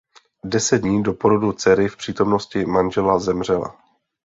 Deset dní po porodu dcery v přítomnosti manžela zemřela.